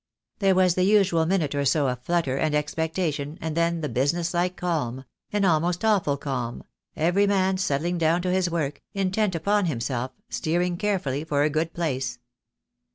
There was the usual minute or so of flutter and ex pectation, and then the business like calm — an almost awful calm — every man settling down to his work, intent upon himself, steering carefully for a good place.